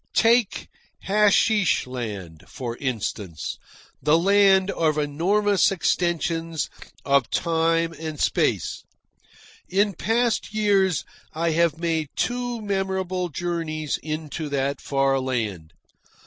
Take Hasheesh Land, for instance, the land of enormous extensions of time and space. In past years I have made two memorable journeys into that far land.